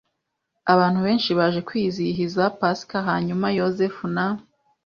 abantu benshi baje kwizihiza Pasika Hanyuma Yozefu na